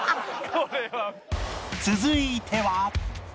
続いては